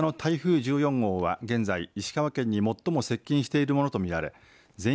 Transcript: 大型の台風１４号は現在石川県に最も接近しているものとみられます。